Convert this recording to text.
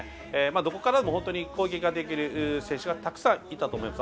どこからでも攻撃ができる選手がたくさんいたと思います。